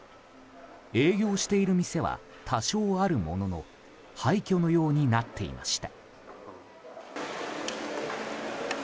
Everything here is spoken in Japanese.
営業している店は多少あるものの廃墟のようになっていました。